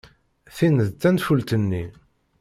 Tin d tanfult-nni.